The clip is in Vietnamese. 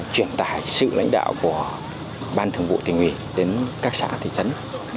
truyền tải sự lãnh đạo của ban thường vụ tỉnh ủy đến các xã thị trấn